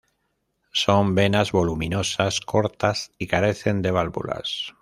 Son venas voluminosas, cortas y carecen de válvulas.